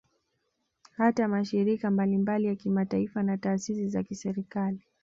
Hata mashirika mbalimbali ya kimataifa na taasisi za kiserikali